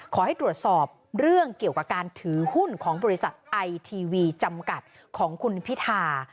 ขอให้ตรวจสอบเรื่องเกี่ยวกับการถือหุ้นของบริษัทไอทีวีจำกัดของคุณพิธา